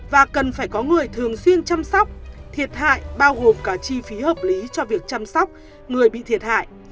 và cần phải có người thường xuyên chăm sóc thiệt hại bao gồm cả chi phí hợp lý cho việc chăm sóc người bị thiệt hại